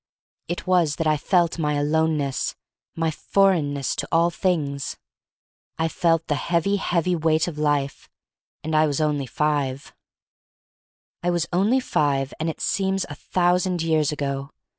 It was that I felt my aloneness, my foreignness to all things. I felt the heavy, heavy weight of life — and I was only five, I was only five, and it seems a thou sand years ago.